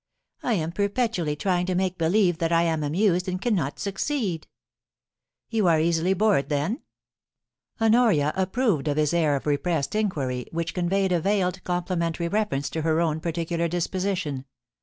I am perpetually THE DRYAD OF THE TI TREE. 155 trying to make believe that I am amused and cannot suc ceed' * You are easily bored, then ?* Honoria approved of his air of repressed inquiry, which conveyed a veiled complimentary reference to her own par ticular disposition.